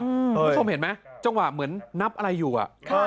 คุณผู้ชมเห็นไหมจังหวะเหมือนนับอะไรอยู่